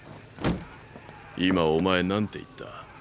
今お前何て言った？